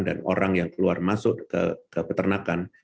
dan orang yang keluar masuk ke peternakan